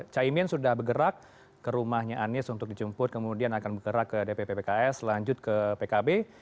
caimin sudah bergerak ke rumahnya anies untuk dijemput kemudian akan bergerak ke dpp pks lanjut ke pkb